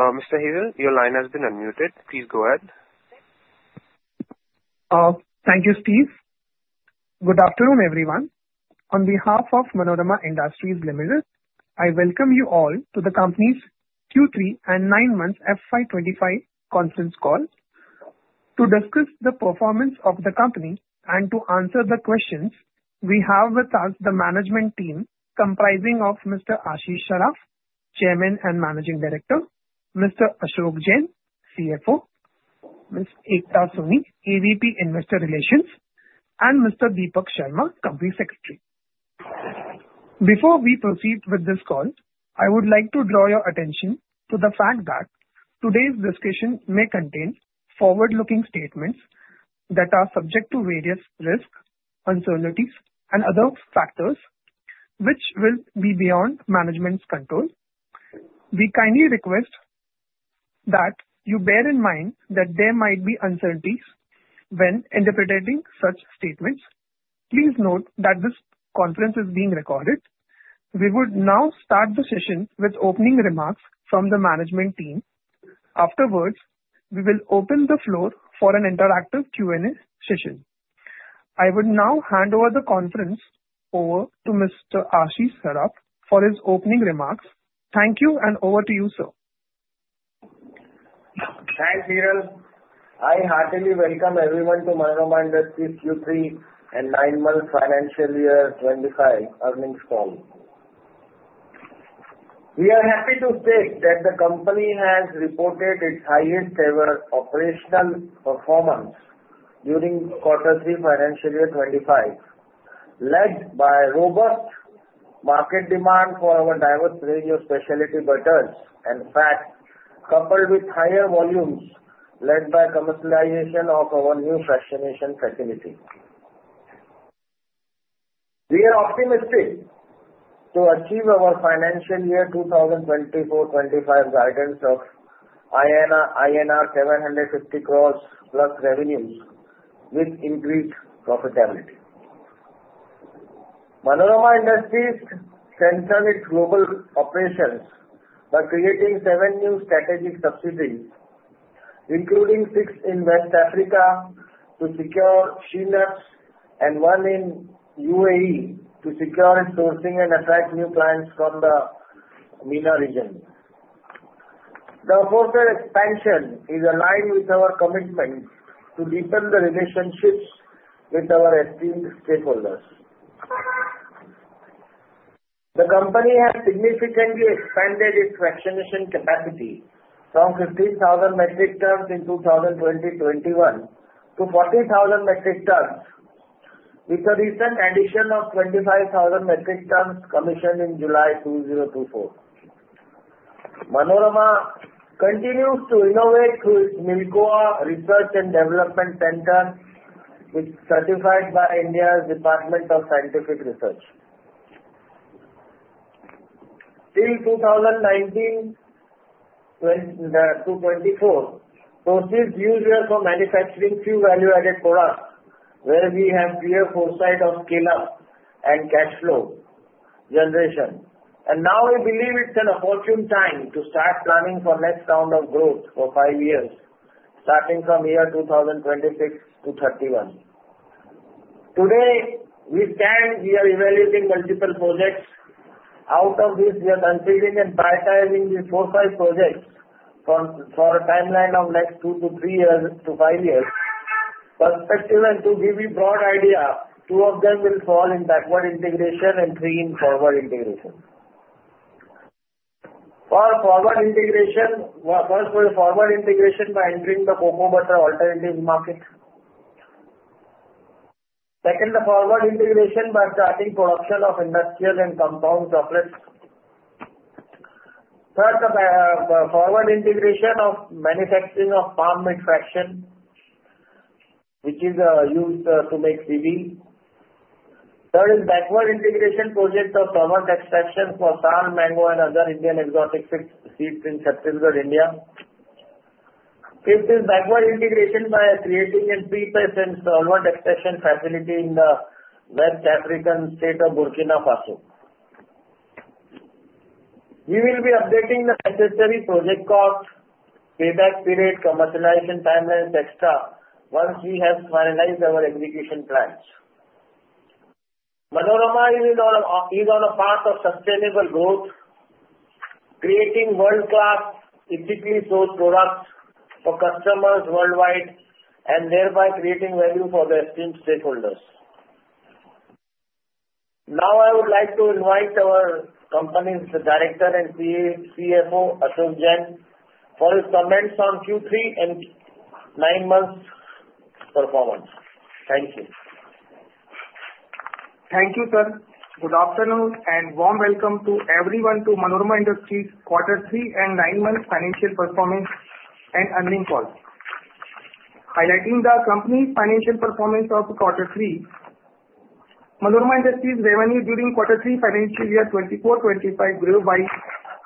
Mr. Hiral, your line has been unmuted. Please go ahead. Thank you, Steve. Good afternoon, everyone. On behalf of Manorama Industries Limited, I welcome you all to the company's Q3 and nine-month FY 2025 conference call. To discuss the performance of the company and to answer the questions, we have with us the management team comprising of Mr. Ashish Saraf, Chairman and Managing Director, Mr. Ashok Jain, CFO, Ms. Ekta Soni, AVP, Investor Relations, and Mr. Deepak Sharma, Company Secretary. Before we proceed with this call, I would like to draw your attention to the fact that today's discussion may contain forward-looking statements that are subject to various risks, uncertainties, and other factors which will be beyond management's control. We kindly request that you bear in mind that there might be uncertainties when interpreting such statements. Please note that this conference is being recorded. We would now start the session with opening remarks from the management team. Afterwards, we will open the floor for an interactive Q&A session. I would now hand over the conference over to Mr. Ashish Saraf for his opening remarks. Thank you, and over to you, sir. Thanks, Hiral. I heartily welcome everyone to Manorama Industries' Q3 and 9-month FY 2025 earnings call. We are happy to state that the company has reported its highest-ever operational performance during quarter three FY 2025, led by robust market demand for our diverse range of specialty butters and fats, coupled with higher volumes led by commercialization of our new fractionation facility. We are optimistic to achieve our FY 2024-25 guidance of INR 750 crores plus revenues with increased profitability. Manorama Industries centers its global operations by creating seven new strategic subsidiaries, including six in West Africa to secure shea and one in UAE to secure its sourcing and attract new clients from the MENA region. The overseas expansion is aligned with our commitment to deepen the relationships with our esteemed stakeholders. The company has significantly expanded its fractionation capacity from 15,000 metric tons in 2020 to 2021 to 40,000 metric tons, with the recent addition of 25,000 metric tons commissioned in July 2024. Manorama continues to innovate through its MILCOA Research & Development Center, which is certified by India's Department of Scientific and Industrial Research. Till 2019 to 2024, proceeds used were for manufacturing few value-added products where we have clear foresight of scale-up and cash flow generation. Now we believe it's an opportune time to start planning for next round of growth for five years, starting from year 2026 to 2031. Today, we stand here evaluating multiple projects. Out of this, we are considering and prioritizing the four or five projects for a timeline of next two to three years to five years perspective. To give you broad idea, two of them will fall in backward integration and three in forward integration. First with forward integration by entering the cocoa butter alternatives market. Second, the forward integration by starting production of industrial and compound chocolates. Third, the forward integration of manufacturing of palm fraction, which is used to make CBE. Third is backward integration project of solvent extraction for sal, mango, and other Indian exotic seeds in Satna, India. Fifth is backward integration by creating a 3% solvent extraction facility in the West African state of Burkina Faso. We will be updating the necessary project costs, payback period, commercialization timelines, et cetera, once we have finalized our execution plans. Manorama is on a path of sustainable growth, creating world-class, ethically sourced products for customers worldwide, and thereby creating value for their esteemed stakeholders. Now I would like to invite our company's Director and CFO, Ashok Jain, for his comments on Q3 and nine months performance. Thank you. Thank you, sir. Good afternoon, warm welcome to everyone to Manorama Industries quarter three and nine-month financial performance and earnings call. Highlighting the company's financial performance of quarter three, Manorama Industries' revenue during quarter three financial year 2024-25 grew by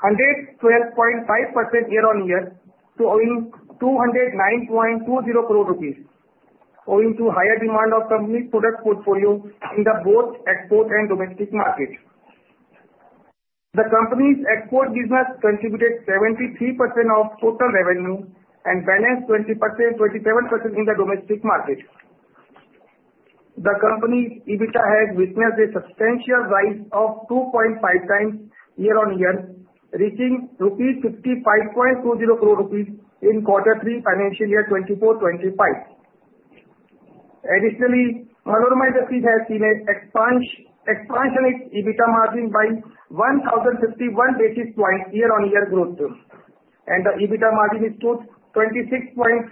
112.5% year-on-year to 209.20 crore rupees owing to higher demand of company's product portfolio in both the export and domestic market. The company's export business contributed 73% of total revenue and balance 27% in the domestic market. The company's EBITDA has witnessed a substantial rise of 2.5 times year-on-year, reaching 55.20 crore rupees in quarter three financial year 2024/25. Additionally, Manorama Industries has seen an expansion in EBITDA margin by 1,051 basis points year-on-year growth, and the EBITDA margin stood at 26.4%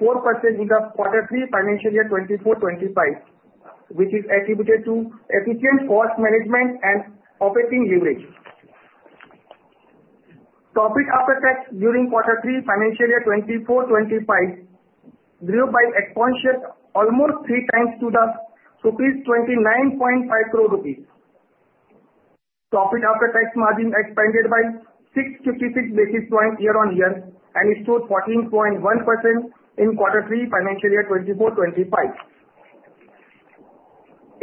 in quarter three financial year 2024/25, which is attributed to efficient cost management and operating leverage. Profit after tax during quarter three financial year 2024/25 grew by considerable almost three times to 29.5 crore rupees. Profit after tax margin expanded by 656 basis points year-on-year and stood at 14.1% in quarter three financial year 2024/25.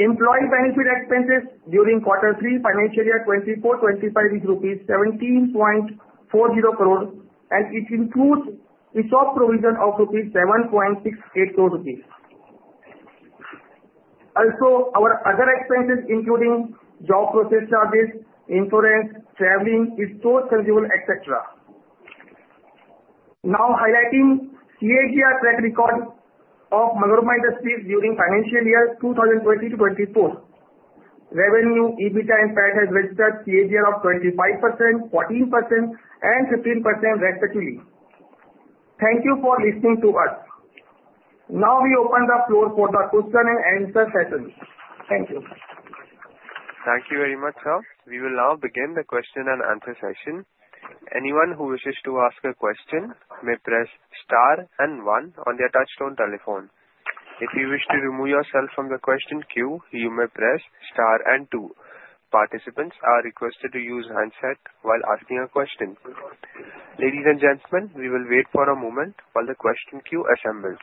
Employee benefit expenses during quarter three financial year 2024/25 is 17.40 crore, and it includes a ESOP provision of 7.68 crore rupees. Also our other expenses, including job processing charges, insurance, traveling, and store consumables, et cetera. Now highlighting CAGR track record of Manorama Industries during financial year 2020 to 2024. Revenue, EBITDA and PAT has registered CAGR of 25%, 14% and 15% respectively. Thank you for listening to us. Now we open the floor for the question and answer session. Thank you. Thank you very much. We will now begin the question-and-answer session. Anyone who wishes to ask a question may press star and one on their touchtone telephone. If you wish to remove yourself from the question queue, you may press star and two. Participants are requested to use handset while asking a question. Ladies and gentlemen, we will wait for a moment while the question queue assembles.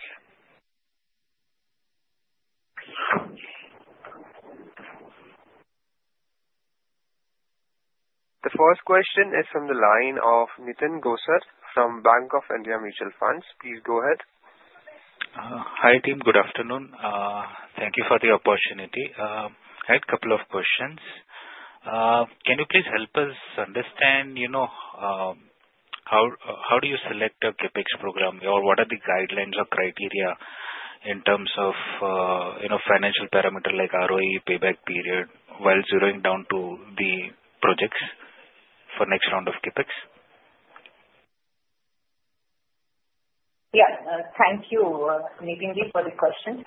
The first question is from the line of Nitin Gosar from Bank of India Mutual Fund. Please go ahead. Hi, team. Good afternoon. Thank you for the opportunity. I had couple of questions. Can you please help us understand, you know, how do you select a CapEx program, or what are the guidelines or criteria in terms of, you know, financial parameter like ROE payback period while zeroing down to the projects for next round of CapEx? Yeah. Thank you, Nitin, for the question.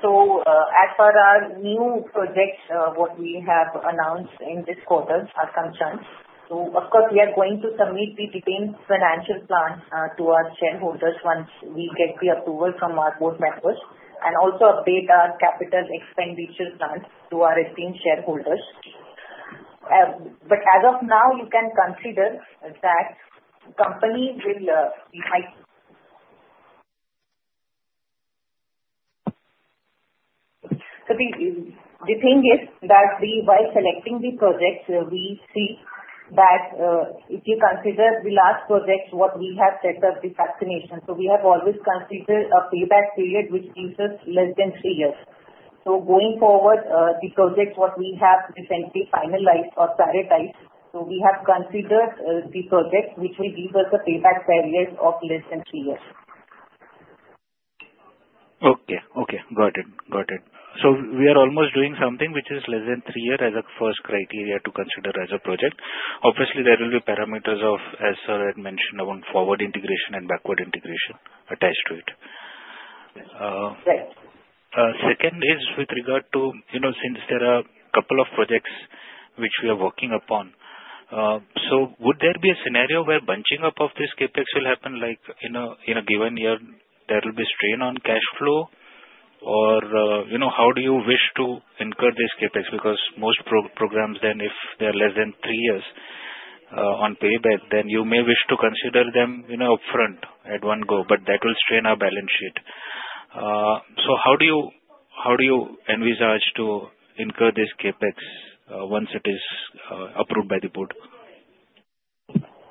As per our new projects, what we have announced in this quarter are concerned. Of course, we are going to submit the detailed financial plan to our shareholders once we get the approval from our board members and also update our capital expenditures plans to our esteemed shareholders. But as of now, you can consider that company will be high. The thing is that we while selecting the projects, we see that if you consider the last project, what we have set up the fractionation. We have always considered a payback period which gives us less than three years. Going forward, the project what we have essentially finalized or prioritized. We have considered the project which will give us a payback period of less than three years. Okay. Got it. We are almost doing something which is less than three years as a first criteria to consider as a project. Obviously, there will be parameters of, as sir had mentioned around forward integration and backward integration attached to it. Right. Second is with regard to, you know, since there are a couple of projects which we are working upon. Would there be a scenario where bunching up of this CapEx will happen, like, in a given year, there will be strain on cash flow or, you know, how do you wish to incur this CapEx? Because most programs then, if they're less than three years on payback, then you may wish to consider them, you know, upfront at one go. But that will strain our balance sheet. How do you envisage to incur this CapEx once it is approved by the board?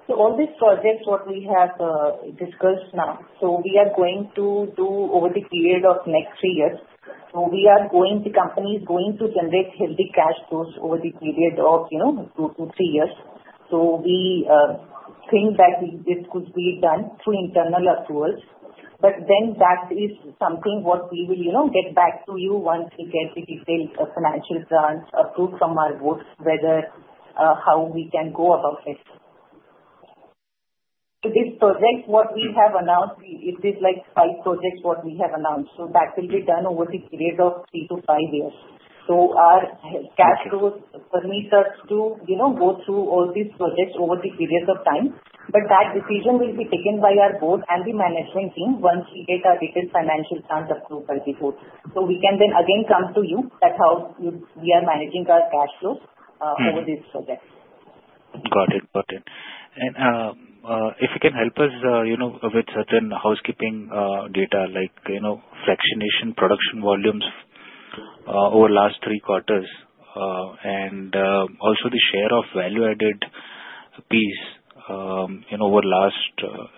All these projects what we have discussed now, so we are going to do over the period of next three years. The company is going to generate healthy cash flows over the period of, you know, two to three years. We think that this could be done through internal approvals, but then that is something what we will, you know, get back to you once we get the detailed financial plans approved from our board whether how we can go about it. To this project what we have announced, it is like five projects what we have announced. That will be done over the period of three to five years. Our cash flows permits us to, you know, go through all these projects over the periods of time. That decision will be taken by our board and the management team once we get our detailed financial plans approved by the board. We can then again come to you that how we are managing our cash flows. Mm-hmm. Over this project. Got it. If you can help us with certain housekeeping data, like fractionation production volumes over the last three quarters, and also the share of value-added piece over the last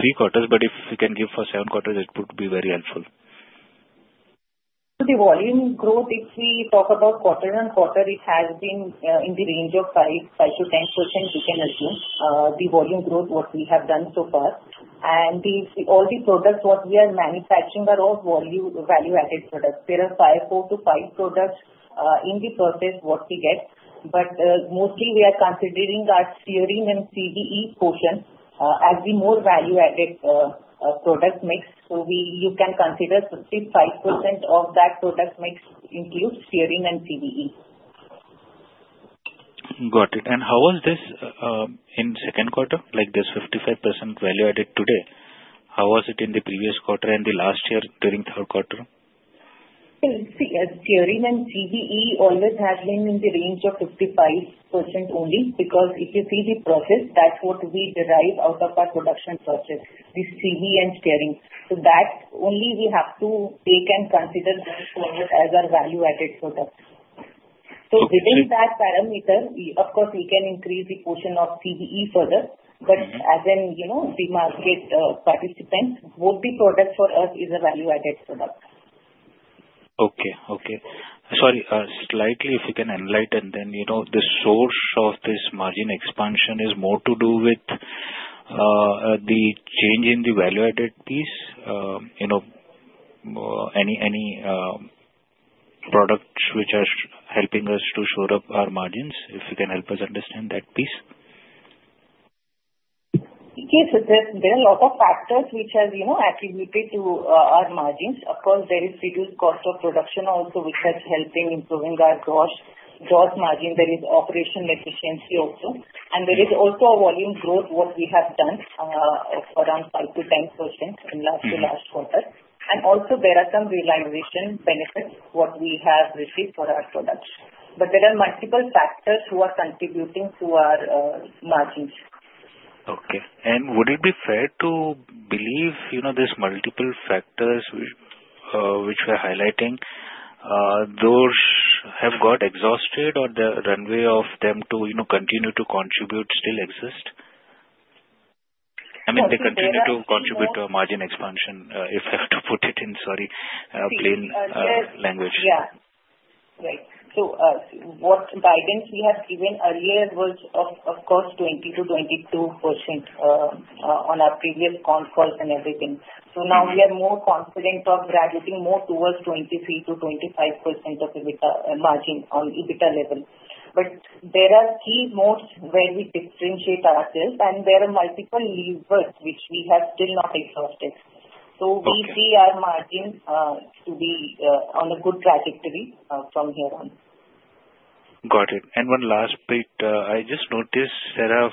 three quarters. If you can give for seven quarters, it would be very helpful. The volume growth, if we talk about quarter-on-quarter, it has been in the range of 5%-10%, we can assume, the volume growth, what we have done so far. All the products what we are manufacturing are all value-added products. There are four-five products in the process what we get. Mostly we are considering our stearin and CBE portion as the more value-added product mix. You can consider 55% of that product mix includes stearin and CBE. Got it. How was this in the second quarter? Like there's 55% value-added today. How was it in the previous quarter and the last year during the third quarter? See, stearin and CBE always has been in the range of 55% only because if you see the process, that's what we derive out of our production process, the CBE and stearin. that only we have to take and consider those two as our value-added products. Okay. Within that parameter, of course, we can increase the portion of CBE further. Mm-hmm. As in the market participants, both the product for us is a value-added product. Okay. Sorry, slightly if you can enlighten then, the source of this margin expansion is more to do with the change in the value-added piece? Any products which are helping us to shore up our margins, if you can help us understand that piece? Okay. There are a lot of factors which are attributed to our margins. Of course, there is reduced cost of production also which has helped improving our gross margin. There is operational efficiency also, and there is also a volume growth what we have done of around 5%-10% in last-to-last quarter. There are some realization benefits what we have received for our products. There are multiple factors who are contributing to our margins. Okay. Would it be fair to believe these multiple factors which we're highlighting, those have got exhausted or the runway of them to continue to contribute still exist? I mean, they continue to contribute to a margin expansion, if I have to put it in, sorry, plain language. Yeah. Right. What guidance we have given earlier was of course 20%-22% on our previous conference calls and everything. Now we are more confident of graduating more towards 23%-25% of EBITDA margin on EBITDA level. There are key moats where we differentiate ourselves, and there are multiple levers which we have still not exhausted. Okay. We see our margin to be on a good trajectory from here on. Got it. One last bit. I just noticed there are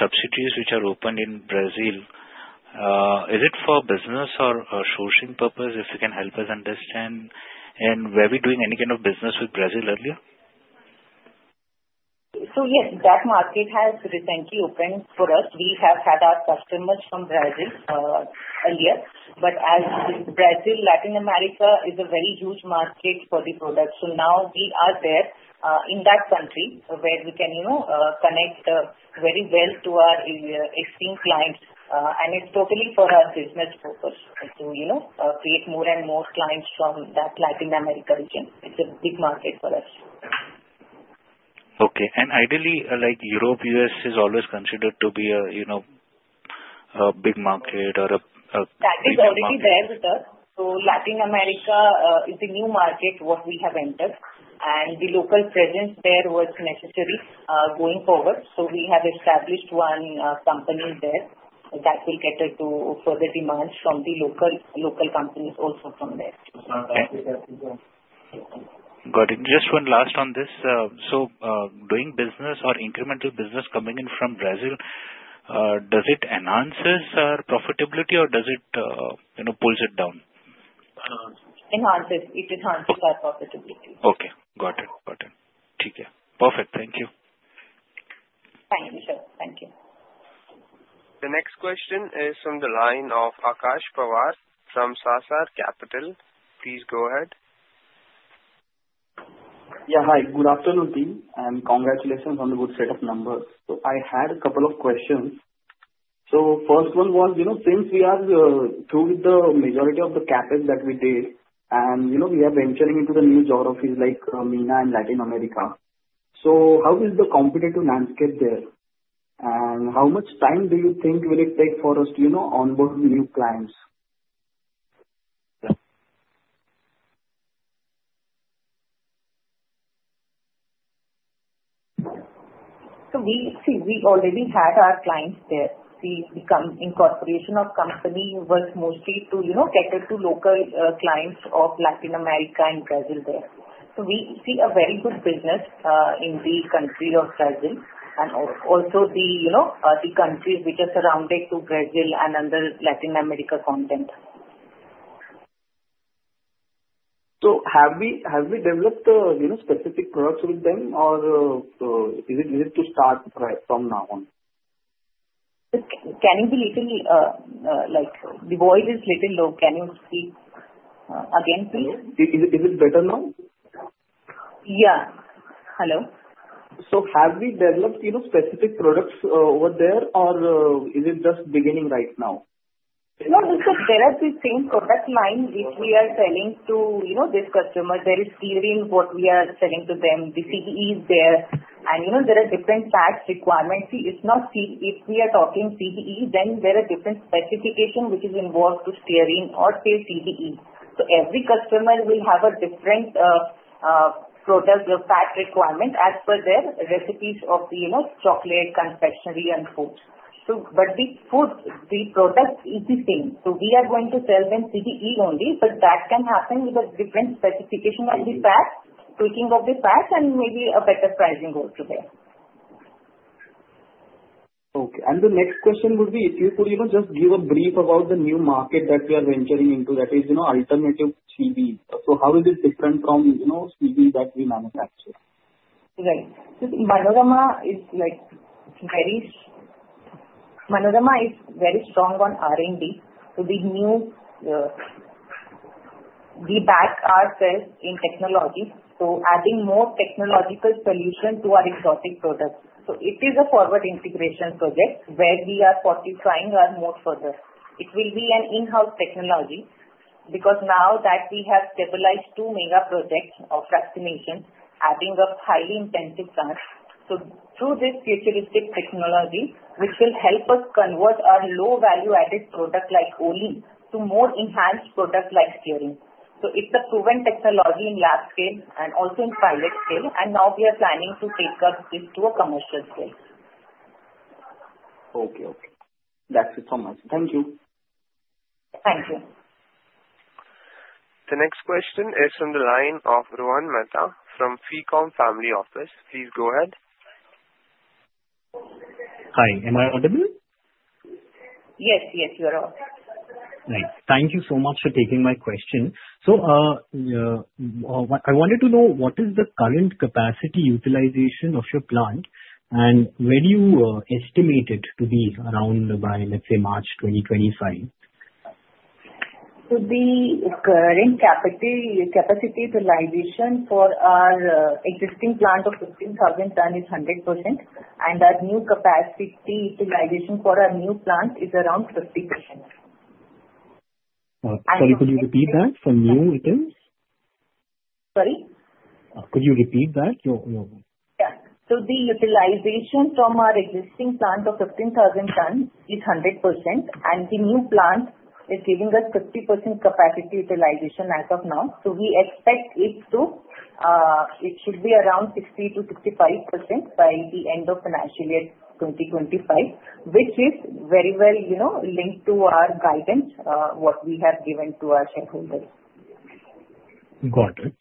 subsidiaries which are opened in Brazil. Is it for business or sourcing purpose, if you can help us understand, and were we doing any kind of business with Brazil earlier? Yes, that market has recently opened for us. We have had our customers from Brazil earlier, but as you know, Brazil, Latin America, is a very huge market for the product. Now we are there in that country where we can connect very well to our existing clients. It's totally for our business purpose to create more and more clients from that Latin America region. It's a big market for us. Okay. Ideally, Europe, U.S. is always considered to be a big market or a better market. That is already there with us. Latin America is a new market that we have entered, and the local presence there was necessary going forward. We have established one company there that will cater to further demands from the local companies also from there. Got it. Just one last on this. Doing business or incremental business coming in from Brazil, does it enhances our profitability or does it pulls it down? It enhances our profitability. Okay. Got it. Perfect. Thank you. Thank you, sir. Thank you. The next question is from the line of Akash Pawar from Sahasrar Capital. Please go ahead. Yeah, hi. Good afternoon, team, and congratulations on the good set of numbers. I had a couple of questions. First one was, since we are through with the majority of the CapEx that we did, and we are venturing into the new geographies like MENA and Latin America. How is the competitive landscape there? And how much time do you think will it take for us to onboard the new clients? We already had our clients there. The incorporation of company was mostly to cater to local clients of Latin America and Brazil there. We see a very good business in the country of Brazil and also the countries which are surrounding to Brazil and other Latin America continent. Have we developed specific products with them or is it to start from now on? The voice is a little low. Can you speak again, please? Hello. Is it better now? Yeah. Hello. Have we developed specific products over there or is it just beginning right now? No, because there are the same product line which we are selling to this customer. There is stearin what we are selling to them, the CBE is there, and there are different fats requirements. If we are talking CBE, then there are different specification which is involved to stearin or say CBE. Every customer will have a different product or fat requirement as per their recipes of the chocolate, confectionery, and foods. The foods, the products is the same. We are going to sell them CBE only. That can happen with a different specification of the fats, tweaking of the fats, and maybe a better pricing also there. Okay. The next question would be, if you could just give a brief about the new market that we are venturing into, that is alternative CBE. How is this different from CBE that we manufacture? Right. Manorama is very strong on R&D. We back ourselves in technology, so adding more technological solution to our exotic products. It is a forward integration project where we are fortifying our moat further. It will be an in-house technology, because now that we have stabilized two mega projects of fractionation, adding a highly intensive plant. Through this futuristic technology, which will help us convert our low value-added product like olein to more enhanced product like stearin. It's a proven technology in lab scale and also in pilot scale, and now we are planning to take up this to a commercial scale. Okay. That's it for me. Thank you. Thank you. The next question is on the line of Rohan Mehta from Ficom Family Office. Please go ahead. Hi, am I audible? Yes, you are. Right. Thank you so much for taking my question. I wanted to know what is the current capacity utilization of your plant, and where you estimate it to be around by, let's say, March 2025? The current capacity utilization for our existing plant of 15,000 tons is 100%, and that new capacity utilization for our new plant is around 50%. Sorry, could you repeat that? For new it is? Sorry? Could you repeat that? Yeah. The utilization from our existing plant of 15,000 tons is 100%, and the new plant is giving us 50% capacity utilization as of now. We expect it should be around 60%-65% by the end of financial year 2025, which is very well linked to our guidance, what we have given to our shareholders. Got it.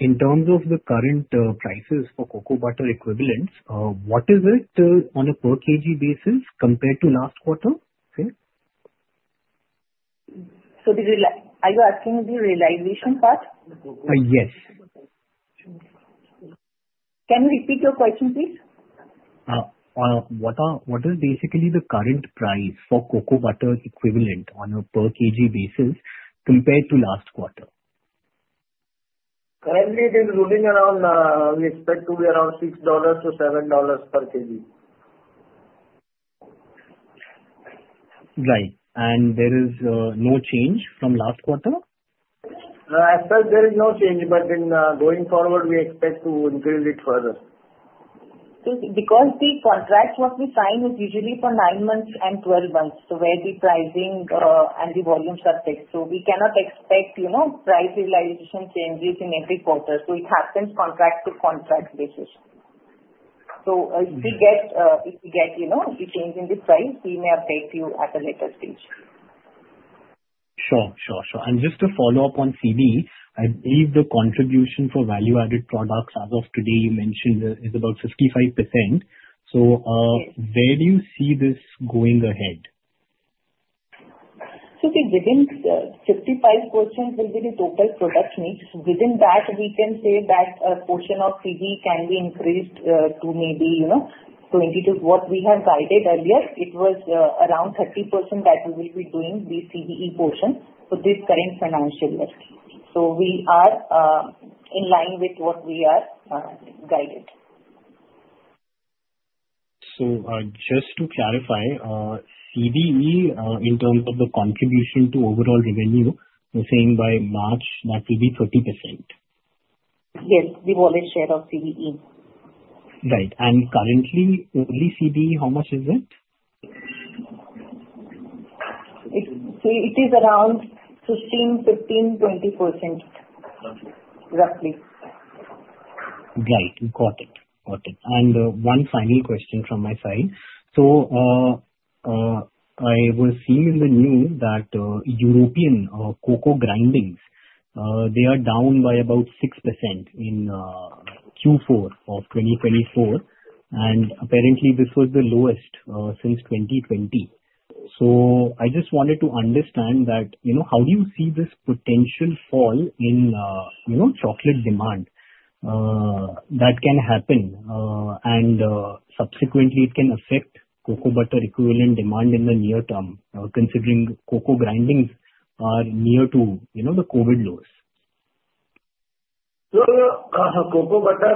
In terms of the current prices for cocoa butter equivalents, what is it on a per kg basis compared to last quarter? Okay. Are you asking the realization part? Yes. Can you repeat your question, please? What is basically the current price for cocoa butter equivalent on a per kg basis compared to last quarter? Currently, it is moving around, we expect to be around $6-$7/kg. Right. There is no change from last quarter? As such, there is no change, but then, going forward, we expect to increase it further. Because the contract what we sign is usually for 9 months and 12 months, so where the pricing and the volumes are fixed. We cannot expect price realization changes in every quarter. It happens contract-to-contract basis. If we get any change in the price, we may update you at a later stage. Sure. Just to follow up on CBE, I believe the contribution for value-added products as of today you mentioned is about 55%. Where do you see this going ahead? The 55% will be the total product mix. Within that, we can say that a portion of CBE can be increased to maybe 20%. What we have guided earlier, it was around 30% that we will be doing the CBE portion for this current financial year. We are in line with what we have guided. Just to clarify, CBE, in terms of the contribution to overall revenue, you're saying by March that will be 30%? Yes. The volume share of CBE. Right. Currently, only CBE, how much is it? It is around 15%-20%. Roughly. Right. Got it. One final question from my side. I was seeing in the news that European cocoa grindings, they are down by about 6% in Q4 of 2024, and apparently this was the lowest since 2020. I just wanted to understand how you see this potential fall in chocolate demand that can happen, and subsequently it can affect cocoa butter equivalent demand in the near term, considering cocoa grindings are near to the COVID lows. Cocoa butter,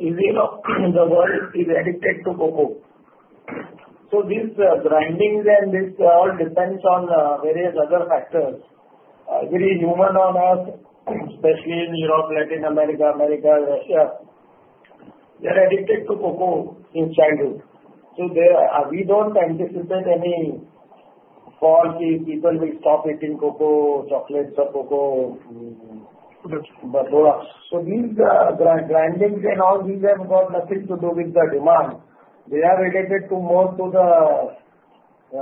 the world is addicted to cocoa. These grindings and this all depends on various other factors. Every human on Earth, especially in Latin America, Russia, they're addicted to cocoa since childhood. We don't anticipate any fall if people will stop eating cocoa, chocolates or cocoa. These grindings and all these have got nothing to do with the demand. They are related more to the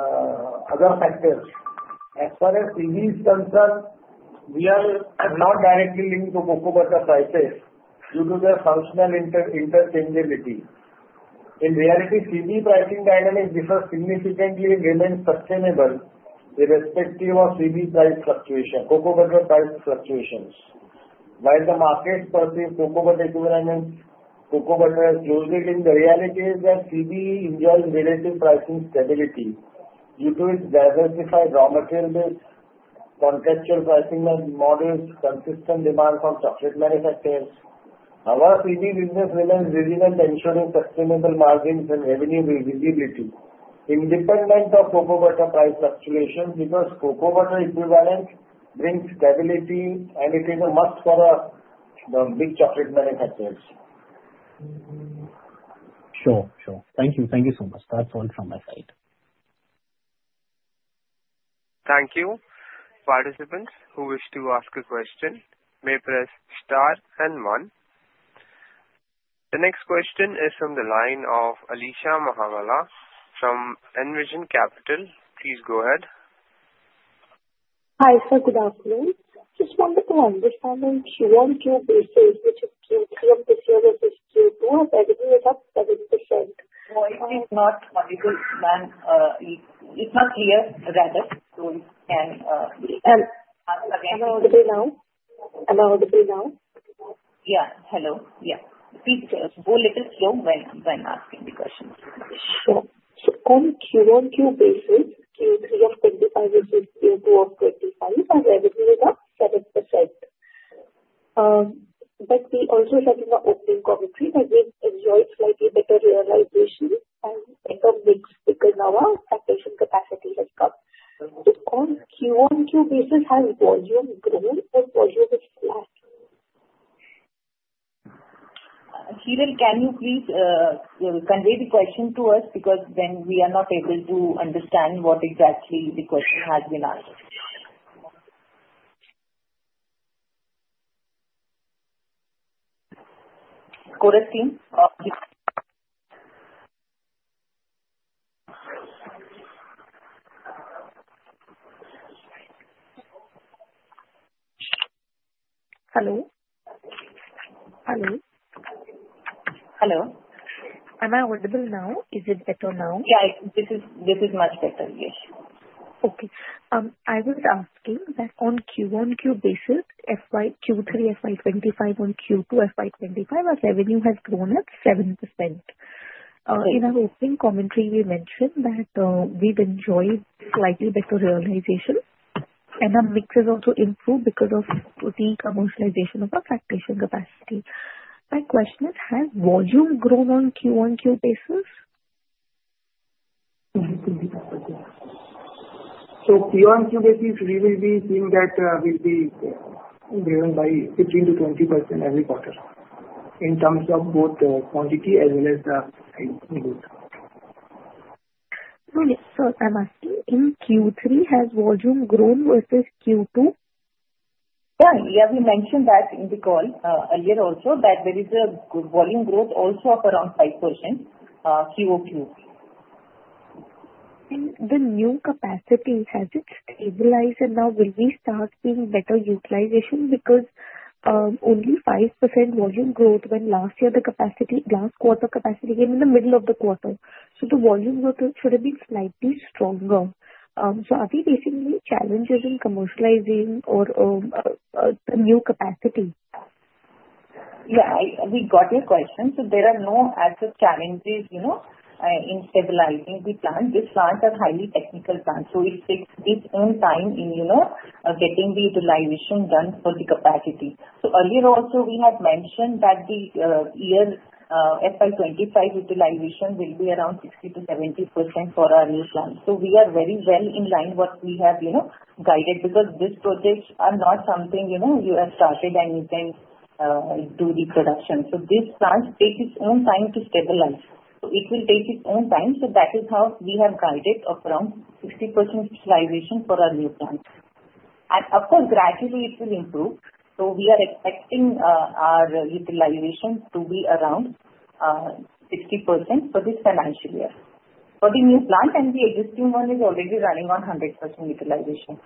other factors. As far as CBE is concerned, we are not directly linked to cocoa butter prices due to their functional interchangeability. In reality, CBE pricing dynamics differ significantly and remain sustainable irrespective of CBE price fluctuations, cocoa butter price fluctuations. While the market perceives cocoa butter equivalent, cocoa butter as loosely, the reality is that CBE enjoys relative pricing stability due to its diversified raw material base, contractual pricing models, consistent demand from chocolate manufacturers. Our CBE business remains resilient, ensuring sustainable margins and revenue visibility independent of cocoa butter price fluctuations, because cocoa butter equivalent brings stability, and it is a must for the big chocolate manufacturers. Sure. Thank you so much. That's all from my side. Thank you. Participants who wish to ask a question may press star and one. The next question is from the line of Alisha Mahawla from Envision Capital. Please go ahead. Hi, sir. Good afternoon. Just wanted to understand on QoQ basis, which is Q3 of this year versus Q2, our revenue is up 7%. No, it is not audible, ma'am. It's not clear, rather. You can- Am I audible now? Yeah. Hello? Yeah. Please go a little slow when asking the questions. Sure. On QoQ basis, Q3 of 2025 versus Q2 of 2025, our revenue is up 7%. We also had in the opening commentary that we've enjoyed slightly better realization and better mix because now our utilization capacity has come. On QoQ basis, has volume grown or volume is flat? Kiran, can you please convey the question to us, because then we are not able to understand what exactly the question has been asked. Chorus team? Hello? Am I audible now? Is it better now? Yeah, this is much better. Yes. I was asking that on QoQ basis, Q3 FY 2025 and Q2 FY 2025, our revenue has grown at 7%. In our opening commentary, we mentioned that we've enjoyed slightly better realization, and our mixes also improved because of early commercialization of our fractionation capacity. My question is, has volume grown on QoQ basis? QoQ basis, we will be seeing that we'll be driven by 15%-20% every quarter in terms of both quantity as well as the price. Brilliant. I'm asking, in Q3, has volume grown versus Q2? Yeah. We mentioned that in the call earlier also that there is a volume growth also of around 5% QoQ. In the new capacity, has it stabilized, and now will we start seeing better utilization? Because only 5% volume growth when last year the last quarter capacity came in the middle of the quarter. The volume should have been slightly stronger. Are we facing any challenges in commercializing the new capacity? Yeah, we got your question. There are no as such challenges in stabilizing the plant. This plant are highly technical plant, so it takes its own time in getting the utilization done for the capacity. Earlier also, we had mentioned that the year FY 2025 utilization will be around 60%-70% for our new plant. We are very well in line what we have guided, because these projects are not something you have started, and you can do the production. This plant takes its own time to stabilize. It will take its own time. That is how we have guided around 60% utilization for our new plant. Of course, gradually it will improve. We are expecting our utilization to be around 60% for this financial year. For the new plant and the existing one is already running on 100% utilization.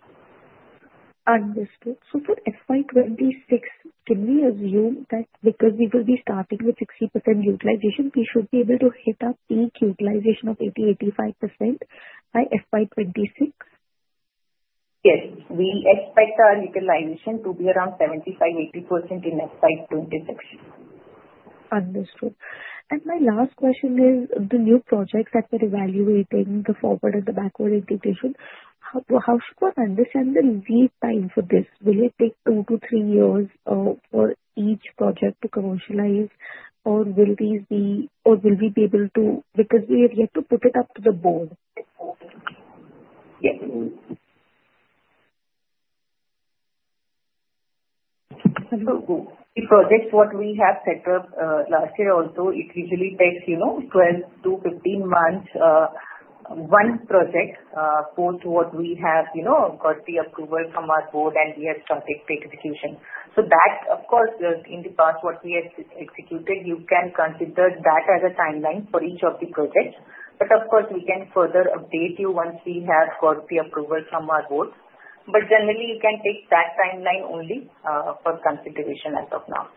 Understood. For FY 2026, can we assume that because we will be starting with 60% utilization, we should be able to hit our peak utilization of 80%, 85% by FY 2026? Yes. We expect our utilization to be around 75%-80% in FY 2026. Understood. My last question is, the new projects that we're evaluating, the forward and the backward integration, how should one understand the lead time for this? Will it take two-three years for each project to commercialize? Or will we be able to? Because we have yet to put it up to the board. Yes. The projects that we have set up last year also, it usually takes 12-15 months. One project post that we have got the approval from our board and we have started the execution. That, of course, in the past that we have executed, you can consider that as a timeline for each of the projects. Of course, we can further update you once we have got the approval from our board. Generally, you can take that timeline only for consideration as of now.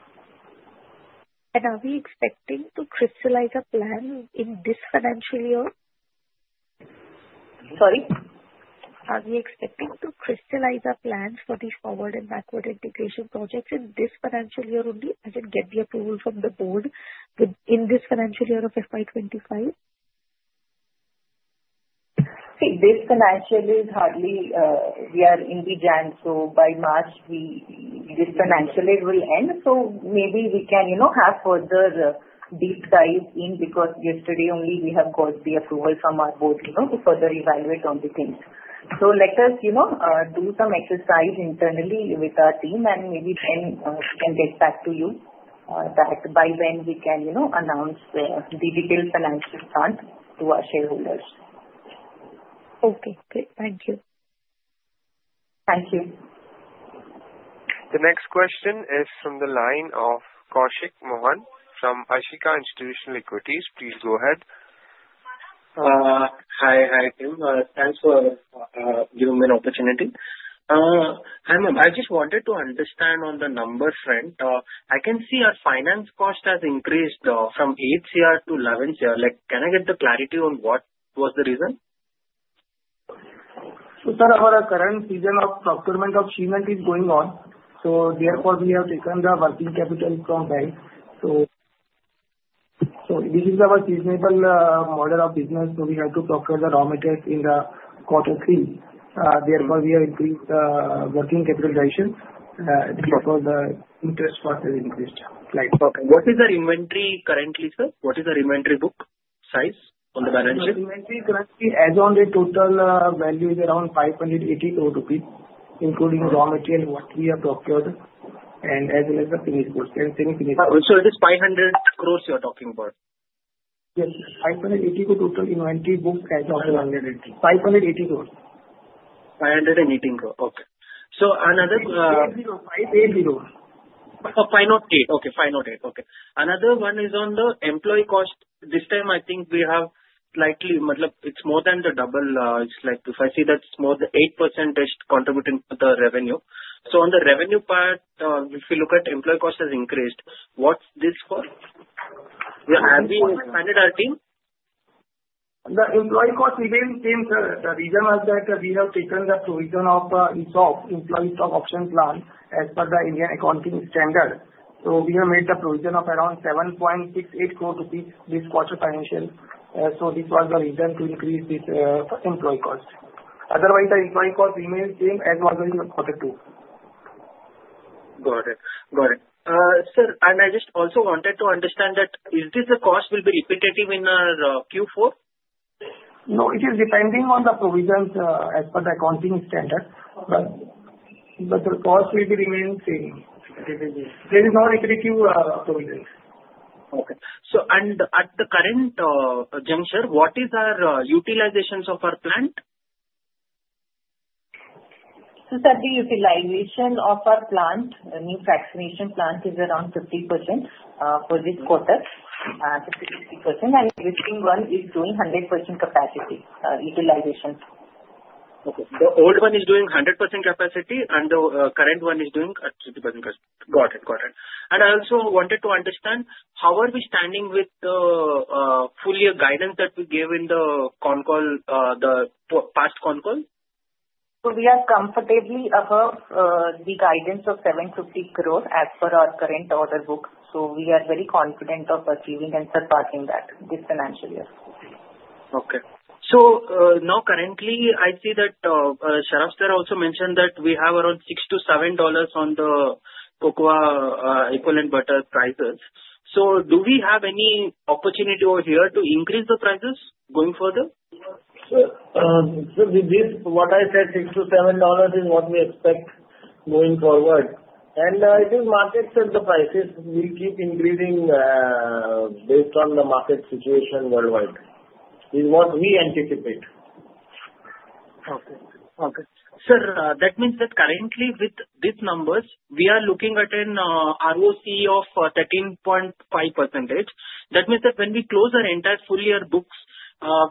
Are we expecting to crystallize a plan in this financial year? Sorry? Are we expecting to crystallize our plans for the forward and backward integration projects in this financial year only, as in get the approval from the board in this financial year of FY 2025? See, this financial year hardly, we are in January, so by March this financial year will end. Maybe we can have further deep dive in, because yesterday only we have got the approval from our board, you know, to further evaluate on the things. Let us do some exercise internally with our team and maybe then we can get back to you that by when we can announce the detailed financial plan to our shareholders. Okay, great. Thank you. Thank you. The next question is from the line of Koushik Mohan from Ashika Institutional Equities. Please go ahead. Hi team. Thanks for giving me an opportunity. I just wanted to understand on the number front. I can see our finance cost has increased from 8 crore to 11 crore. Can I get the clarity on what was the reason? Sir, our current season of procurement of sal is going on. Therefore we have taken the working capital from banks. This is our seasonal model of business, so we have to procure the raw material in the quarter three. Therefore, we have increased working capital. Therefore, the interest cost has increased. Right. Okay. What is our inventory currently, sir? What is our inventory book size on the balance sheet? Inventory currently, as on the total value is around 580 crore rupees, including raw materials that we have procured and as well as the finished goods and semi-finished goods. Sir, is this 500 crore you're talking about? Yes, 580 crore total inventory book as on. 580 crore. Okay. Another- 580 crore. 580 crore. Okay. Another one is on the employee cost. This time I think we have slightly, it's more than the double. If I see, that's more, the 8% is contributing to the revenue. On the revenue part, if we look at employee cost has increased. What's this for? Have we expanded our team? The employee cost remains the same, sir. The reason was that we have taken the provision of ESOP, employee stock option plan as per the Indian Accounting Standards. We have made the provision of around 7.68 crore rupees this quarter financials. This was the reason to increase this employee cost. Otherwise, the employee cost remains the same as what was in the quarter two. Got it. Sir, I just also wanted to understand that is this the cost will be repetitive in our Q4? No, it is depending on the provisions as per the accounting standard, but the cost will remain same. There is no repetitive provision. At the current juncture, what is our utilizations of our plant? Sir, the utilization of our plant, new fractionation plant is around 50% for this quarter. 50%-60%. Existing one is doing 100% capacity utilization. Okay. The old one is doing 100% capacity and the current one is doing at 50%. Got it. I also wanted to understand how are we standing with the full year guidance that we gave in the past concall? We are comfortably above the guidance of 750 crores as per our current order book. We are very confident of achieving and surpassing that this financial year. Okay. Now currently I see that Ashish Saraf also mentioned that we have around $6-$7 on the cocoa butter equivalent prices. Do we have any opportunity over here to increase the prices going further? Sir, this is what I said, $6-$7 is what we expect going forward. I think the market sets the prices will keep increasing based on the market situation worldwide, is what we anticipate. Okay. Sir, that means that currently with these numbers, we are looking at an ROC of 13.5%. That means that when we close our entire full year books.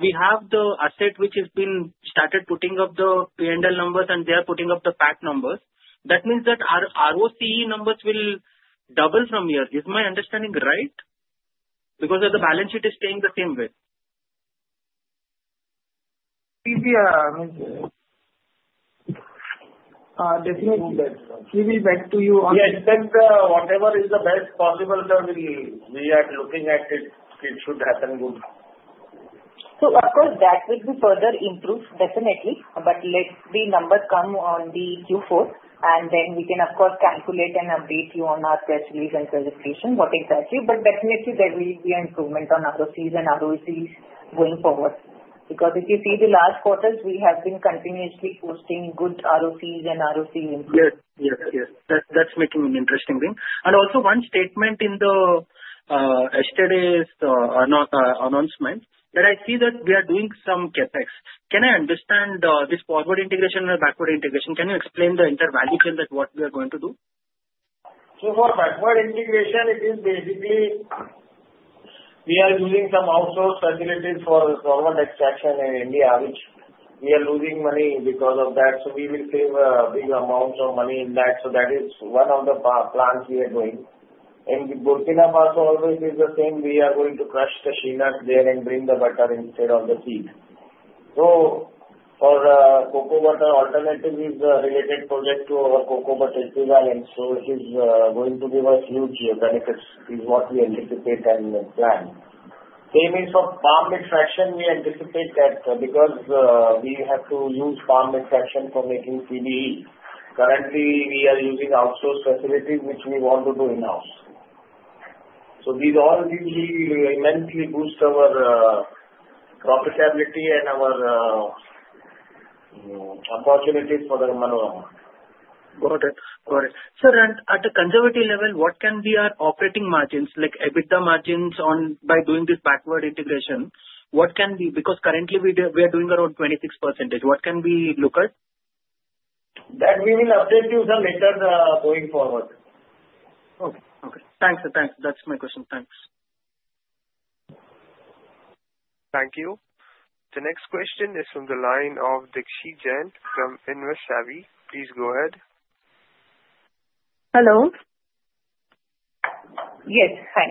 We have the asset which has been started putting up the P&L numbers and they are putting up the PAT numbers. That means that our ROCE numbers will double from here. Is my understanding right? Because the balance sheet is staying the same way. We see, definitely we will get back to you on. Yes, whatever is the best possible, sir, we are looking at it should happen good. Of course, that will be further improved, definitely. Let the numbers come on the Q4, and then we can of course calculate and update you on our press release and presentation, what exactly. Definitely there will be improvement on ROCEs going forward. Because if you see the last quarters, we have been continuously posting good ROCEs and ROCE improvements. Yes. That's making an interesting thing. Also one statement in yesterday's announcement, that I see that we are doing some CapEx. Can I understand this forward integration and backward integration? Can you explain the entire value chain that what we are going to do? For backward integration, it is basically we are using some outsourced facilities for the solvent extraction in India. We are losing money because of that, so we will save big amounts of money in that. That is one of the plants we are doing. In Burkina Faso, also it is the same. We are going to crush the shea nuts there and bring the butter instead of the seed. For cocoa butter alternative is a related project to our cocoa butter equivalent, so it is going to give us huge benefits, is what we anticipate and plan. Same is for palm fraction, we anticipate that because we have to use palm fraction for making CBE. Currently we are using outsourced facilities which we want to do in-house. These all will immensely boost our profitability and our opportunities for the Manorama. Got it. Sir, and at a conservative level, what can be our operating margins, like EBITDA margins by doing this backward integration? Because currently we are doing around 26%. What can we look at? That we will update you, sir, later going forward. Okay. Thanks, sir. That's my question. Thanks. Thank you. The next question is from the line of Dikshit Jain from InvestSavvy. Please go ahead. Hello. Yes, hi.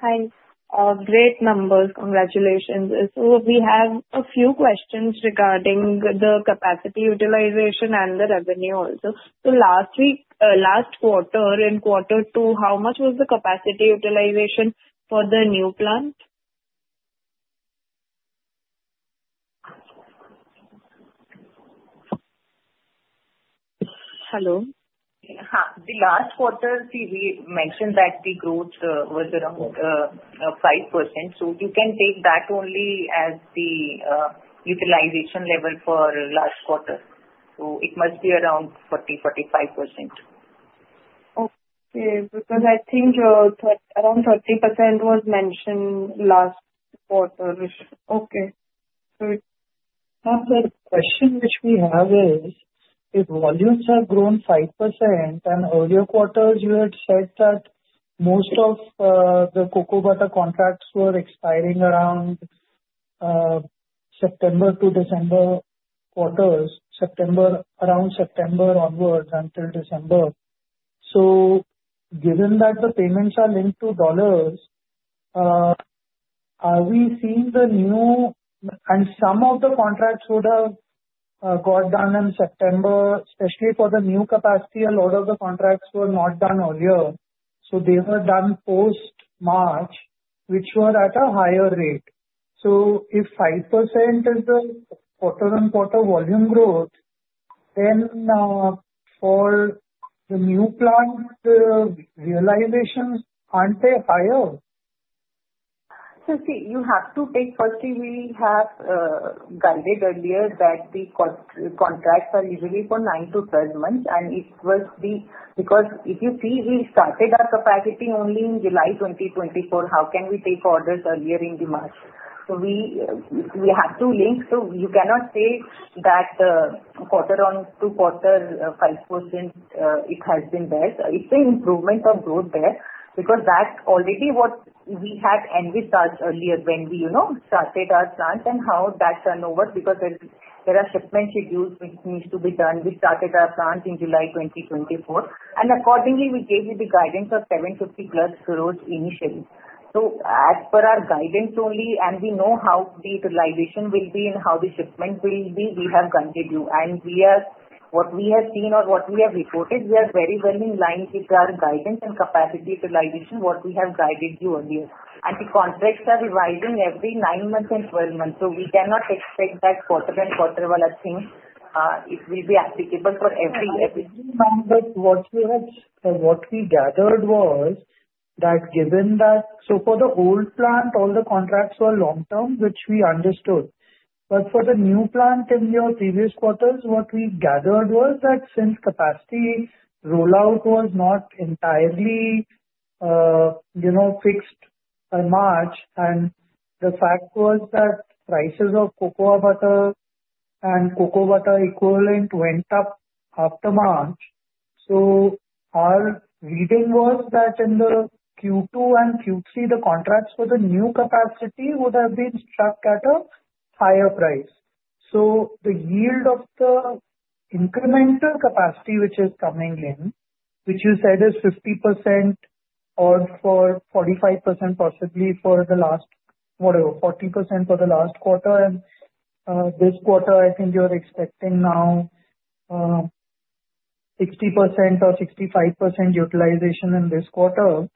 Hi. Great numbers. Congratulations. We have a few questions regarding the capacity utilization and the revenue also. Last quarter, in quarter two, how much was the capacity utilization for the new plant? Hello? The last quarter, we mentioned that the growth was around 5%. You can take that only as the utilization level for last quarter. It must be around 40%-45%. Okay. Because I think around 30% was mentioned last quarter. Okay. Yes. Now the question which we have is, if volumes have grown 5%, and earlier quarters you had said that most of the cocoa butter contracts were expiring around September to December quarters, around September onwards until December. Given that the payments are linked to dollars, are we seeing some of the contracts would have got done in September, especially for the new capacity. A lot of the contracts were not done earlier, so they were done post-March, which were at a higher rate. If 5% is the quarter-over-quarter volume growth, then for the new plant, the realizations, aren't they higher? See, you have to take, firstly, we have guided earlier that the contracts are usually for nine-12 months, and it was the. Because if you see, we started our capacity only in July 2024. How can we take orders earlier in the March? We have to link. You cannot say that quarter-on-quarter 5%, it has been there. It's an improvement on growth there, because that's already what we had envisaged earlier when we started our plant, and how that turnover because there are shipment schedules which needs to be done. We started our plant in July 2024, and accordingly, we gave you the guidance of 750+ crores initially. As per our guidance only, and we know how the utilization will be and how the shipment will be, we have guided you. What we have seen or what we have reported, we are very well in line with our guidance and capacity utilization, what we have guided you earlier. The contracts are revising every nine months and 12 months, so we cannot expect that quarter-on-quarter thing, it will be applicable for every- Ma'am, what we gathered was that for the old plant, all the contracts were long-term, which we understood. For the new plant in your previous quarters, what we gathered was that since capacity rollout was not entirely fixed by March, and the fact was that prices of cocoa butter and cocoa butter equivalent went up after March. Our reading was that in the Q2 and Q3, the contracts for the new capacity would have been struck at a higher price. The yield of the incremental capacity which is coming in, which you said is 50% or 45%, possibly whatever, 40% for the last quarter, and this quarter, I think you're expecting now 60% or 65% utilization in this quarter.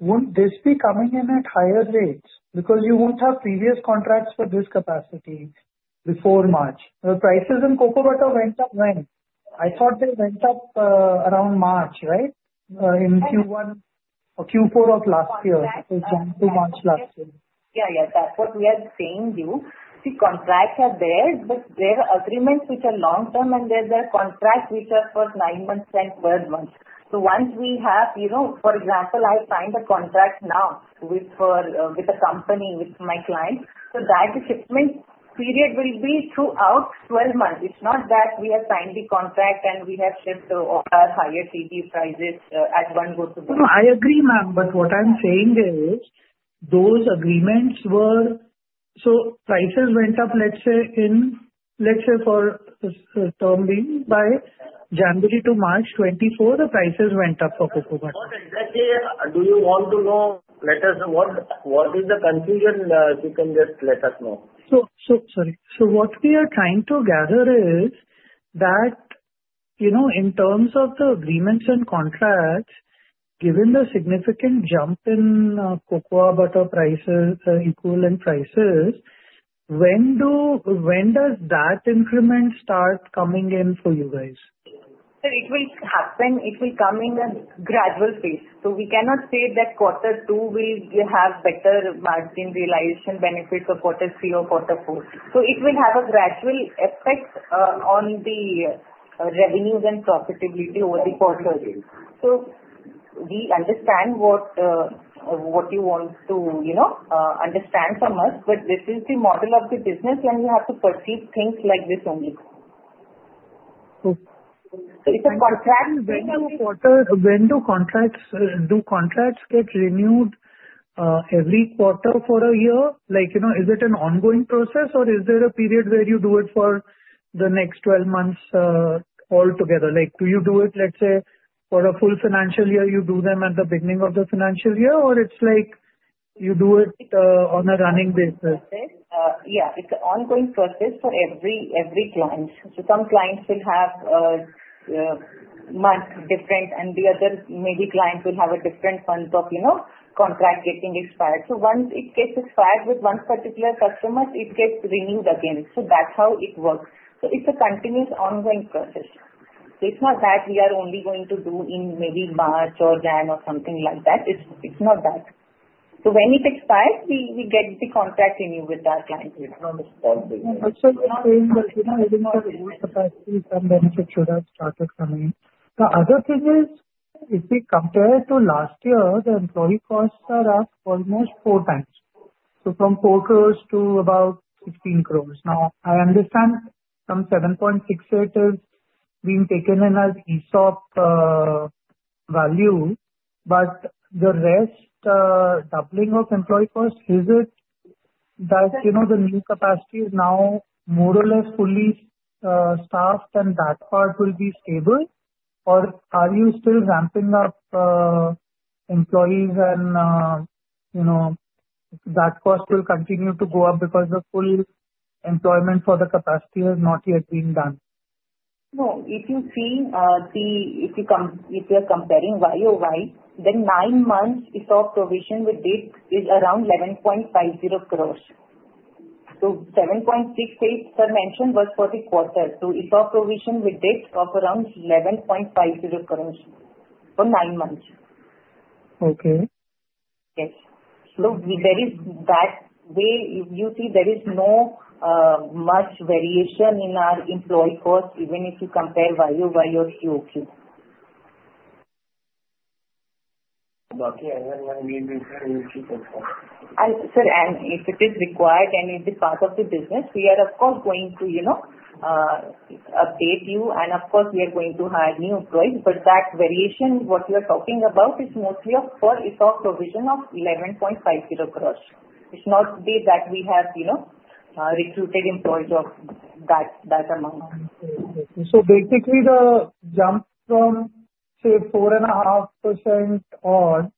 Won't this be coming in at higher rates? Because you won't have previous contracts for this capacity before March. The prices in cocoa butter went up when? I thought they went up around March, right? In Q4 of last year. December, March last year. Yeah. That's what we are saying to you. See, contracts are there, but there are agreements which are long-term and there are contracts which are for nine months and 12 months. Once we have, for example, I sign the contract now with a company, with my client. That shipment period will be throughout 12 months. It's not that we have signed the contract and we have shipped off our higher CBE prices at one go to them. No, I agree, ma'am. What I'm saying is, those agreements were. Prices went up, let's say, for this term, by January to March 2024. The prices went up for cocoa butter. What exactly do you want to know? What is the confusion? You can just let us know. Sorry. What we are trying to gather is that, in terms of the agreements and contracts, given the significant jump in cocoa butter prices, equivalent prices, when does that increment start coming in for you guys? Sir, it will happen, it will come in a gradual phase. We cannot say that quarter two will have better margin realization benefits of quarter three or quarter four. It will have a gradual effect on the revenues and profitability over the quarters. We understand what you want to understand from us, but this is the model of the business and you have to perceive things like this only. Okay. It's a contract thing. When do contracts get renewed, every quarter for a year? Is it an ongoing process or is there a period where you do it for the next 12 months altogether? Do you do it, let's say, for a full financial year, you do them at the beginning of the financial year, or it's like you do it on a running basis? Okay. Yeah. It's an ongoing process for every client. Some clients will have much different, and the other maybe clients will have a different bunch of contract getting expired. Once it gets expired with one particular customer, it gets renewed again. That's how it works. It's a continuous, ongoing process. It's not that we are only going to do in maybe March or January or something like that. It's not that. When it expires, we get the contract renewed with our clients. I understand. Sir, you're saying that even with the new capacity, some benefit should have started coming in. The other thing is, if we compare to last year, the employee costs are up almost four times. From 4 crore to about 16 crore. Now, I understand some 7.68 crore is being taken in as ESOP value, but the rest, doubling of employee costs, is it that the new capacity is now more or less fully staffed and that part will be stable? Are you still ramping up employees and that cost will continue to go up because the full employment for the capacity has not yet been done? No, if you are comparing YoY, then nine months ESOP provision with debt is around 11.50 crores. 7.68, as mentioned, was for the quarter. ESOP provision with debt of around 11.50 crores for nine months. Okay. Yes. That way, you see there is not much variation in our employee costs, even if you compare YoY or QoQ. I haven't gone deep into it. Sir, if it is required and it is part of the business, we are of course going to update you, and of course, we are going to hire new employees. That variation, what you are talking about, is mostly for ESOP provision of 11.50 crores. It's not that we have recruited employees of that amount. Basically the jump from, say, 4.5% odd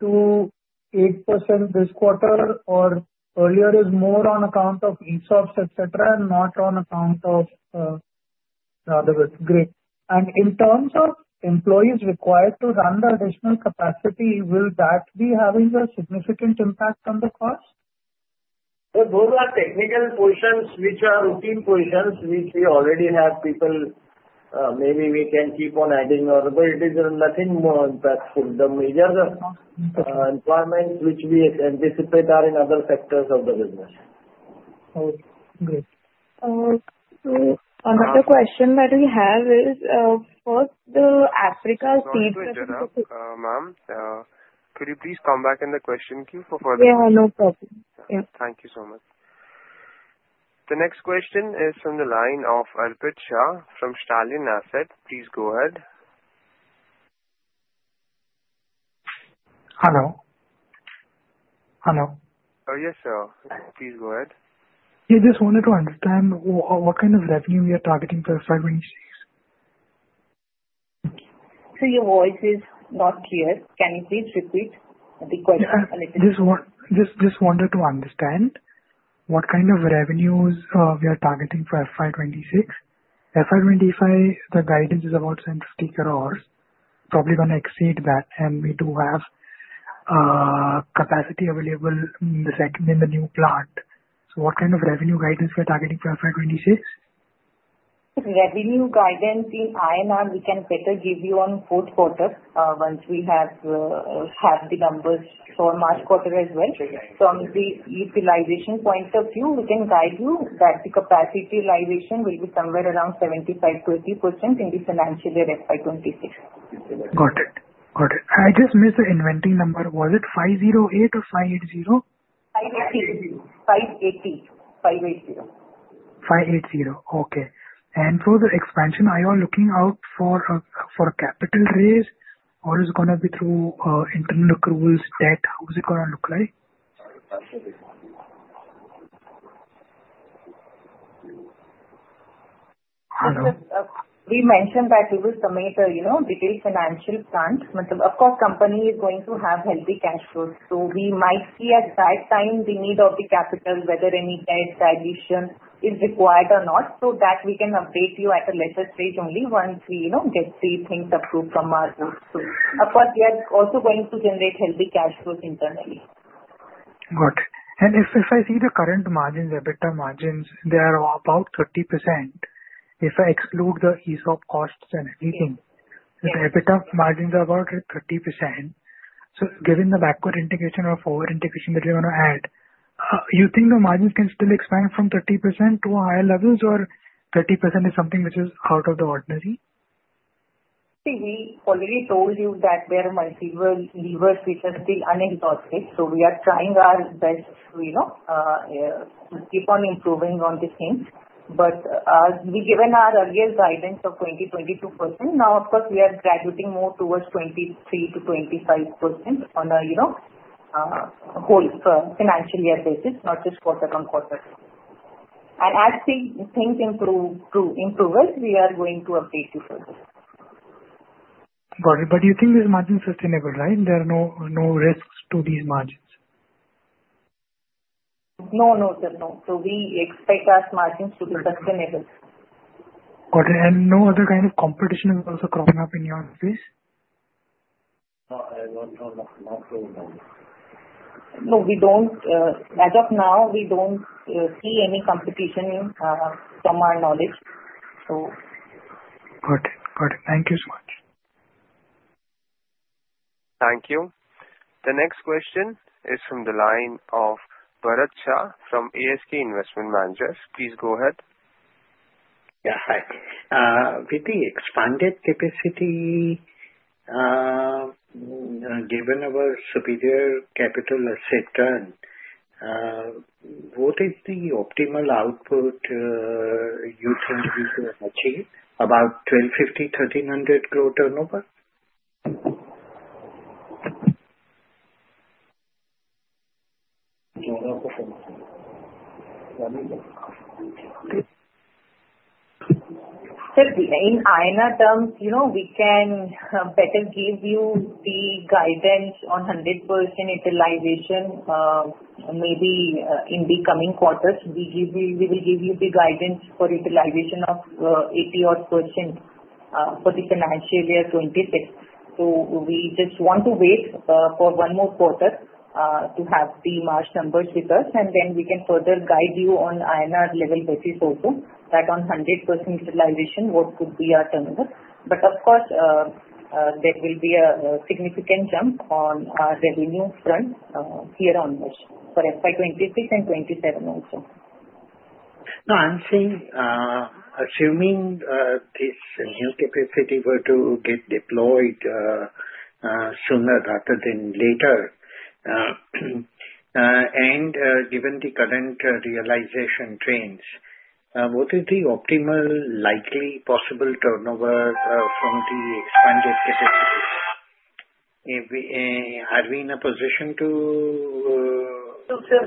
to 8% this quarter or earlier is more on account of ESOPs, et cetera, and not on account of the other bit. Great. In terms of employees required to run the additional capacity, will that be having a significant impact on the cost? Those are technical positions which are routine positions, which we already have people, maybe we can keep on adding more. It is nothing more impactful. The major employments which we anticipate are in other sectors of the business. Okay, great. Another question that we have is, first, the Africa CBE. Sorry to interrupt, ma'am. Could you please come back in the question queue for further? Yeah, no problem. Thank you so much. The next question is from the line of Arpit Shah from Stallion Asset. Please go ahead. Hello? Hello? Oh, yes, sir. Please go ahead. Yeah, just wanted to understand what kind of revenue you're targeting for FY 2026? Sir, your voice is not clear. Can you please repeat the question a little bit? Just wanted to understand what kind of revenues you are targeting for FY 2026. FY 2025, the guidance is about 70 crore. Probably going to exceed that and we do have capacity available in the second unit in the new plant. What kind of revenue guidance are we targeting for FY 2026? Revenue guidance in INR, we can better give you on fourth quarter, once we have the numbers for March quarter as well. From the utilization point of view, we can guide you that the capacity utilization will be somewhere around 75%-80% in the financial year FY 2026. Got it. I just missed the opening number. Was it 508 or 580? 580. 580. Okay. For the expansion, are you all looking out for a capital raise or is it going to be through internal accruals, debt? How is it going to look like? We mentioned that we will submit the detailed financial plan. Of course, company is going to have healthy cash flows. We might see at that time the need of the capital, whether any type dilution is required or not, so that we can update you at a later stage only once we get the things approved from our board. Of course, we are also going to generate healthy cash flows internally. Got it. If I see the current margins, EBITDA margins, they are about 30%. If I exclude the ESOP costs and everything. Yes. The EBITDA margins are about 30%. Given the backward integration or forward integration that you want to add, you think the margins can still expand from 30% to higher levels or 30% is something which is out of the ordinary? See, we already told you that there are multiple levers which are still unexhausted. We are trying our best to keep on improving on the same. We given our earlier guidance of 20%-22%, now of course, we are graduating more towards 23%-25% on a whole financial year basis, not just quarter on quarter. As things improve, we are going to update you further. Got it. You think this margin is sustainable, right? There are no risks to these margins. No, sir. No. We expect our margins to be sustainable. Got it. No other kind of competition is also coming up in your office? No, as of now, we don't see any competition from our knowledge. Got it. Thank you so much. Thank you. The next question is from the line of Bharat Shah from ASK Investment Managers. Please go ahead. Yeah. Hi. With the expanded capacity, given our superior capital asset turn, what is the optimal output you think we can achieve? About 1,050 crore-1,300 crore turnover? Sir, in INR terms, we can better give you the guidance on 100% utilization maybe in the coming quarters. We will give you the guidance for utilization of 80-odd percent for the financial year 2026. We just want to wait for one more quarter to have the March numbers with us and then we can further guide you on INR level basis also, that on 100% utilization, what could be our turnover. Of course, there will be a significant jump on our revenue front here onwards for FY 2026 and 2027 also. No, I'm saying, assuming this new capacity were to get deployed sooner rather than later, and given the current realization trends, what is the optimal likely possible turnover from the expanded capacity? Are we in a position to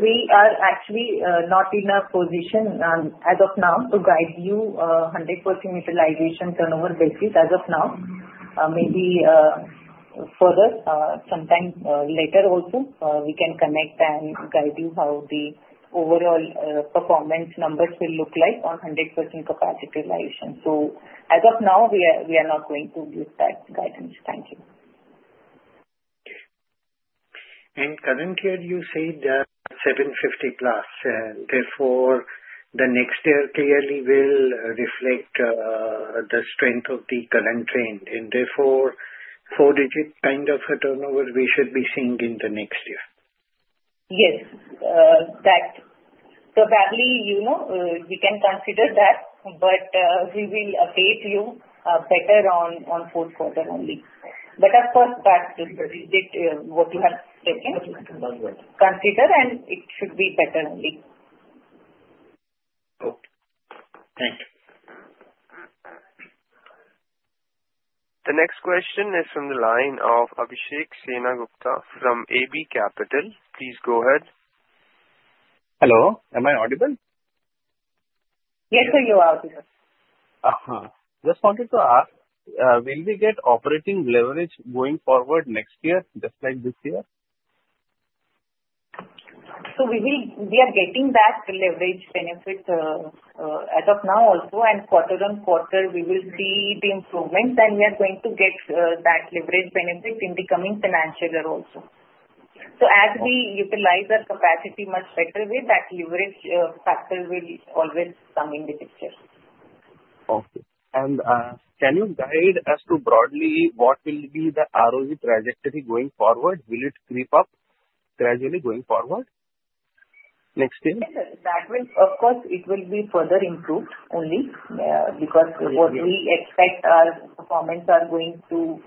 We are actually not in a position as of now to guide you 100% utilization turnover basis as of now. Maybe further, sometime later also, we can connect and guide you how the overall performance numbers will look like on 100% capacity utilization. As of now, we are not going to give that guidance. Thank you. In the current year, you said 750+. Therefore, the next year clearly will reflect the strength of the current trend and therefore, four-digit kind of a turnover we should be seeing in the next year. Yes. That probably we can consider that, but we will update you better on fourth quarter only. Of course that's what you have taken. Okay. Consider and it should be better only. Okay, thank you. The next question is from the line of [Abhishek Sengupta] from AB Capital. Please go ahead. Hello. Am I audible? Yes, sir. You're audible. Just wanted to ask, will we get operating leverage going forward next year, just like this year? We are getting that leverage benefit as of now also, and quarter-on-quarter, we will see the improvements and we are going to get that leverage benefit in the coming financial year also. As we utilize our capacity much better way, that leverage factor will always come into picture. Okay. Can you guide us to broadly what will be the ROE trajectory going forward? Will it creep up gradually going forward next year? Yes, sir. Of course, it will be further improved only, because what we expect our performance are going to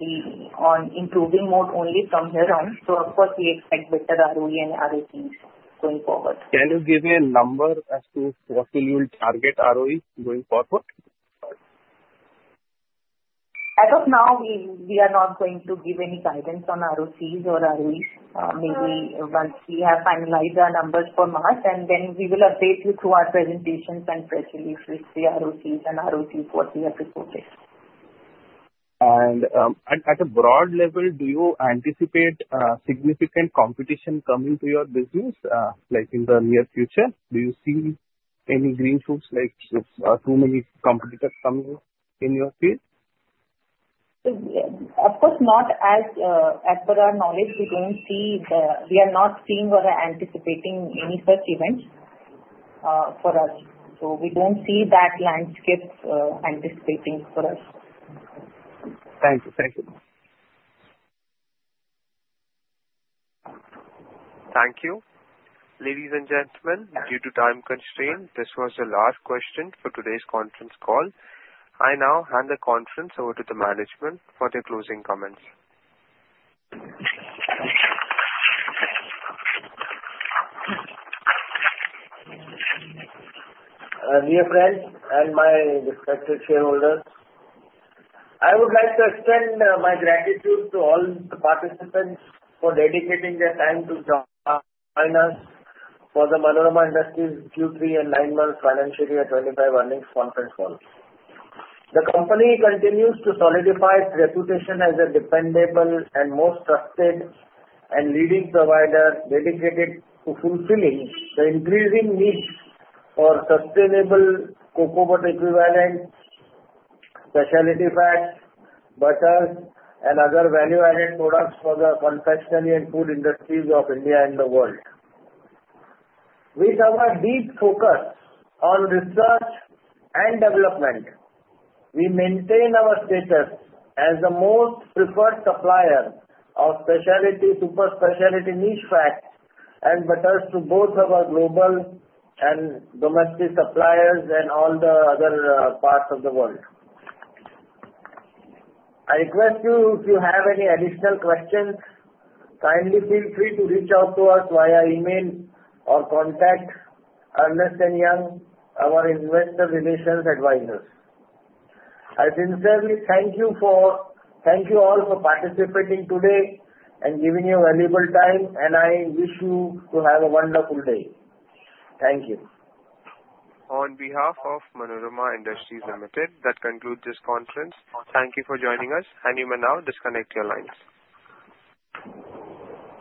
be on improving more only from here on. Of course, we expect better ROE and ROCEs going forward. Can you give me a number as to what will you target ROE going forward? As of now, we are not going to give any guidance on ROCEs or ROEs. Maybe once we have finalized our numbers for March, and then we will update you through our presentations and press releases, the ROCEs and ROEs what we have reported. At a broad level, do you anticipate significant competition coming to your business, like in the near future? Do you see any green shoots, like too many competitors coming in your field? Of course not. As per our knowledge, we are not seeing or are anticipating any such events for us. We don't see that landscape anticipating for us. Thank you. Thank you. Ladies and gentlemen, due to time constraint, this was the last question for today's conference call. I now hand the conference over to the management for their closing comments. Dear friends and my respected shareholders, I would like to extend my gratitude to all the participants for dedicating their time to join us for the Manorama Industries Q3 and nine months FY 2025 earnings conference call. The company continues to solidify its reputation as a dependable and most trusted and leading provider dedicated to fulfilling the increasing needs for sustainable cocoa butter equivalents, specialty fats, butters, and other value-added products for the confectionery and food industries of India and the world. With our deep focus on research and development, we maintain our status as the most preferred supplier of specialty, super specialty niche fats and butters to both our global and domestic suppliers and all the other parts of the world. I request you, if you have any additional questions, kindly feel free to reach out to us via email or contact Ernst & Young, our investor relations advisors. I sincerely thank you all for participating today and giving your valuable time, and I wish you to have a wonderful day. Thank you. On behalf of Manorama Industries Limited, that concludes this conference. Thank you for joining us and you may now disconnect your lines.